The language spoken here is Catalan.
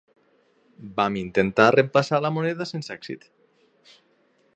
Vam intentar reemplaçar la moneda sense èxit.